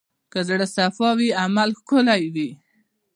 که زړه صفا وي، عمل ښکلی وي.